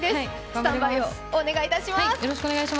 スタンバイをお願いします。